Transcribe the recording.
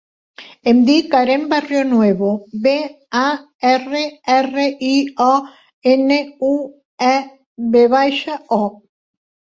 Em dic Aren Barrionuevo: be, a, erra, erra, i, o, ena, u, e, ve baixa, o.